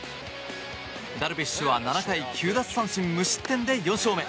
ダルビッシュは７回９奪三振無失点で４勝目。